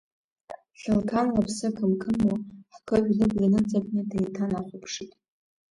Хьылқан лыԥсы қымқымуа ҳқыжә лыбла иныҵакны деиҭанахәаԥшит.